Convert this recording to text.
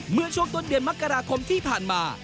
เมื่อช่วงต้นเดือนมกราคมที่ผ่านมา